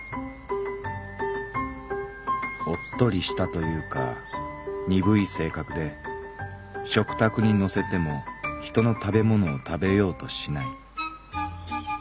「おっとりしたというか鈍い性格で食卓に載せてもヒトの食べ物を食べようとしない。